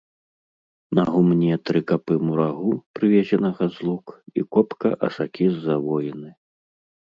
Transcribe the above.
На гумне тры капы мурагу, прывезенага з лук, і копка асакі з завоіны.